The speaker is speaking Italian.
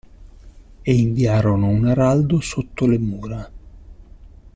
E inviarono un araldo sotto le mura.